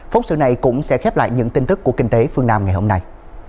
phóng sự này cũng sẽ khép lại những tin tức của kinh tế phương nam ngày hôm nay